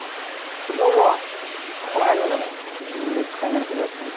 道具はここら辺のでも自分で使い慣れてるやつでもどっちでも。